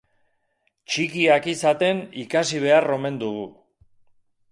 Txikiak izaten ikasi behar omen dugu.